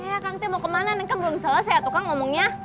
ya akang teh mau kemana neng kan belum selesai atuh kang ngomongnya